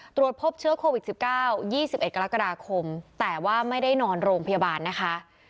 ตรวจพบเชื้อโควิด๑๙๒๑กรกฎาคมแต่ว่าไม่ได้นอนโรงพยาบาลนะคะ